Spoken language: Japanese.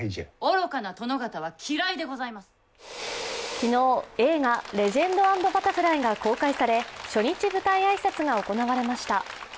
昨日、映画「レジェンド＆バタフライ」が公開され初日舞台挨拶が行われました。